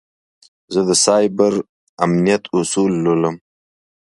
زه د سایبر امنیت اصول لولم.